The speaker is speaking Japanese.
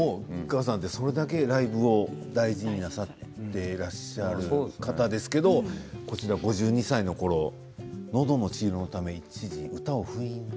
それだけライブを大事になさっていらっしゃる方ですけれど５２歳のころのどの治療のために一時、歌を封印して。